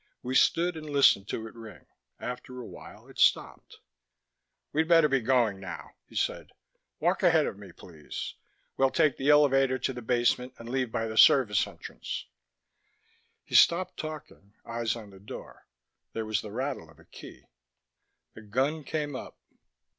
We stood and listened to it ring. After a while it stopped. "We'd better be going now," he said. "Walk ahead of me, please. We'll take the elevator to the basement and leave by the service entrance " He stopped talking, eyes on the door. There was the rattle of a key. The gun came up.